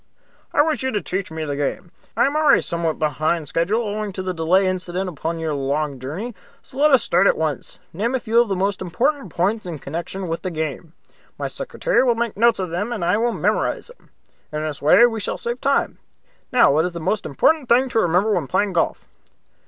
"I wish you to teach me the game. I am already somewhat behind schedule owing to the delay incident upon your long journey, so let us start at once. Name a few of the most important points in connection with the game. My secretary will make notes of them, and I will memorize them. In this way we shall save time. Now, what is the most important thing to remember when playing golf?"